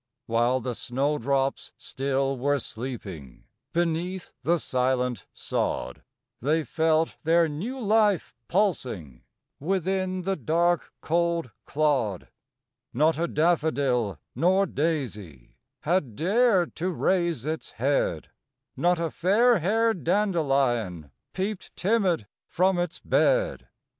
While the snow drops still were sleeping Beneath the silent sod; They felt their new life pulsing Within the dark, cold clod. Not a daffodil nor daisy Had dared to raise its head; Not a fairhaired dandelion Peeped timid from its bed; THE CROCUSES.